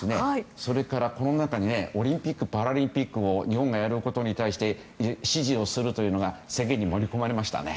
それからこの中にオリンピック・パラリンピックを日本がやることに対して支持をするというのが宣言に盛り込まれましたね。